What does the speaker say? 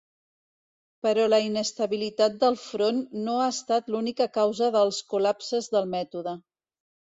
Però la inestabilitat del front no ha estat l'única causa dels col·lapses del mètode.